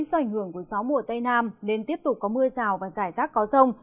do ảnh hưởng của gió mùa tây nam nên tiếp tục có mưa rào và rải rác có rông